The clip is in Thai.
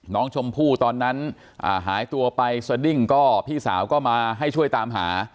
น้องชมพู่ตอนนั้นหายตัวไปสดิ้งก็พี่สาวก็มาให้ช่วยตามหา